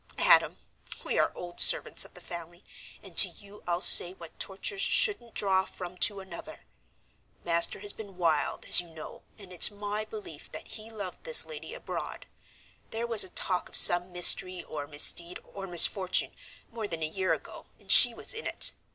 "Adam, we are old servants of the family, and to you I'll say what tortures shouldn't draw from to another. Master has been wild, as you know, and it's my belief that he loved this lady abroad. There was a talk of some mystery, or misdeed, or misfortune, more than a year ago, and she was in it.